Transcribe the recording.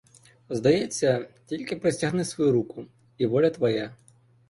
Здається, тільки простягни свою руку і воля твоя.